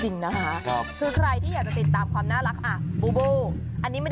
อันนี้ผมชอบ